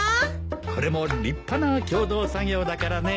これも立派な共同作業だからね。